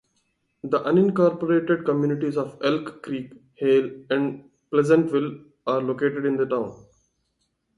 The unincorporated communities of Elk Creek, Hale, and Pleasantville are located in the town.